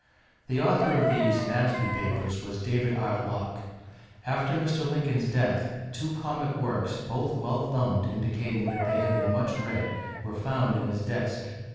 The author of these "Nasby Papers" was David R. Locke. After Mr. Lincoln's death, two comic works, both well thumbed, indicating that they had been much read, were found in his desk.